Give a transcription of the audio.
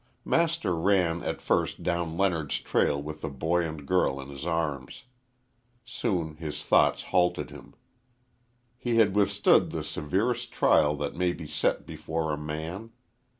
Master ran at first down Leonard's Trail with the boy and girl in his arms. Soon his thoughts halted him. He had withstood the severest trial that may be set before a man.